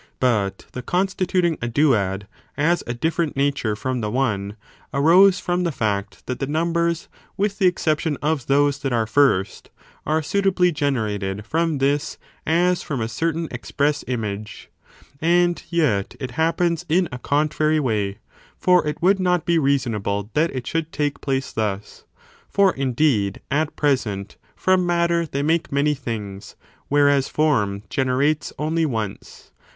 But the constituting a duad, as a different nature fi om the one, arose from the fact that the numbers, with the exception of those that are first, are suitably gene rated from this as from a certain express image. And yet it happens in a contrary way ; for it The error of would not be reasonable that it should take pi^'o *»»e«i° place thus: for, indeed, at present, from matter they make many things, whereas form generates only once.